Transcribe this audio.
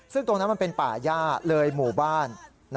ซึ่งตรงนั้นมันเป็นป่าย่าเลยหมู่บ้าน